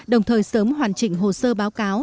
đồng thời sớm hoàn chỉnh hồ sơ báo cáo